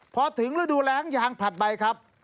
พอถึงฤดูแรงยางผลัดใบครับ